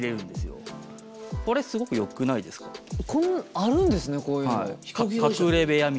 あるんですねこういうの。